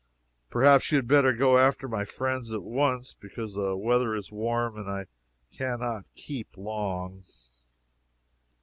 Perhaps you had better go after my friends at once, because the weather is warm, and I can not 'keep' long."